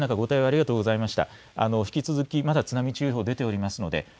ありがとうございます。